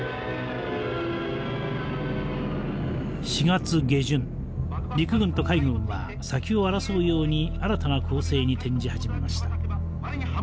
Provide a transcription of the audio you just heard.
４月下旬陸軍と海軍は先を争うように新たな攻勢に転じ始めました。